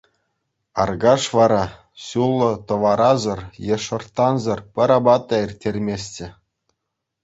Аркаш вара ҫуллӑ тӑварасӑр е шӑрттансӑр пӗр апат та ирттерместчӗ.